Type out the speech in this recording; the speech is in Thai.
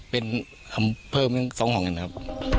เป็นอำเภอมี๒ห่วงกันนะครับ